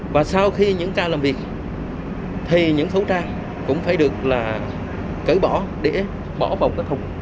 và sau khi những cao làm việc thì những khẩu trang cũng phải được là cởi bỏ để bỏ vào các thùng